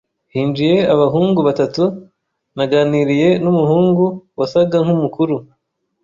Hinjiye abahungu batatu. Naganiriye numuhungu wasaga nkumukuru.